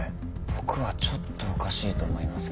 僕はちょっとおかしいと思いますけどね。